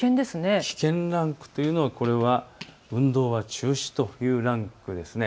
危険ランクというのはこれは運動は中止というランクです。